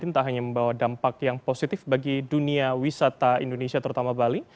tak hanya membawa dampak yang positif bagi dunia wisata indonesia terutama bali